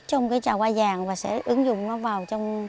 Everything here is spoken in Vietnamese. trong trà hoa vàng và sẽ ứng dụng nó vào